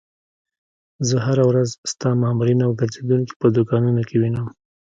زه هره ورځ ستا مامورین او ګرځېدونکي په دوکانونو کې وینم.